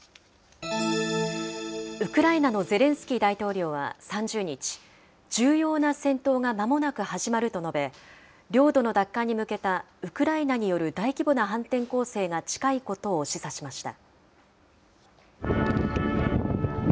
ウクライナのゼレンスキー大統領は３０日、重要な戦闘がまもなく始まると述べ、領土の奪還に向けたウクライナによる大規模な反転攻勢が近いことを示唆しました。